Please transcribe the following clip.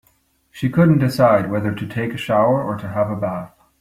She couldn't decide whether to take a shower or to have a bath.